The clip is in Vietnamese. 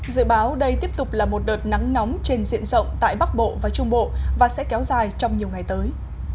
dự báo đây tiếp tục là một đợt nắng nóng trên diện rộng tại bắc bộ và trung bộ và sẽ kéo dài trong nhiều ngày tới